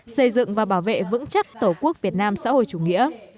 xây dựng và bảo vệ vững chắc tổ quốc việt nam xã hội chủ nghĩa